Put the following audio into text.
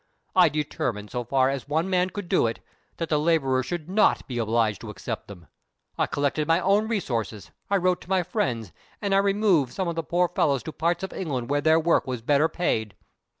I determined, so far as one man could do it, that the laborer should not be obliged to accept them. I collected my own resources I wrote to my friends and I removed some of the poor fellows to parts of England where their work was better paid.